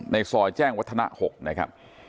ซอยแจ้งวัฒนะ๖นะครับ